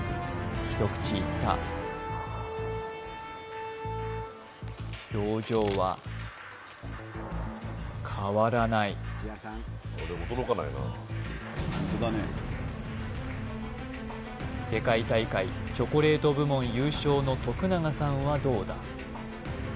一口いった表情は変わらない世界大会チョコレート部門優勝の永さんはどうだ？